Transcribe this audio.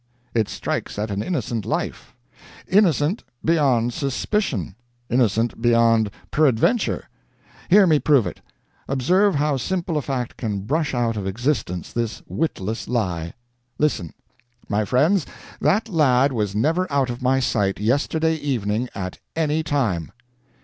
It strikes at an innocent life. Innocent beyond suspicion! Innocent beyond peradventure! Hear me prove it; observe how simple a fact can brush out of existence this witless lie. Listen. My friends, that lad was never out of my sight yesterday evening at any time!"